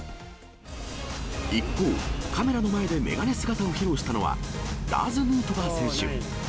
一方、カメラの前で眼鏡姿を披露したのは、ラーズ・ヌートバー選手。